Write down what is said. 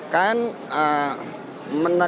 dan juga pak menteri